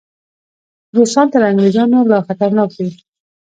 روسان تر انګریزانو لا خطرناک دي.